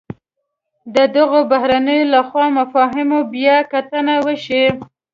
د دغو بهیرونو له خوا مفاهیمو بیا کتنه وشي.